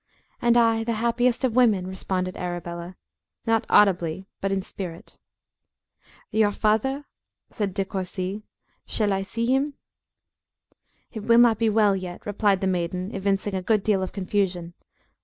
"And I the happiest of women," responded Arabella, not audibly, but in spirit. "Your father?" said De Courci. "Shall I see him?" "It will not be well yet," replied the maiden, evincing a good deal of confusion.